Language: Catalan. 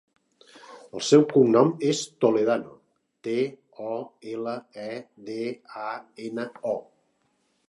El seu cognom és Toledano: te, o, ela, e, de, a, ena, o.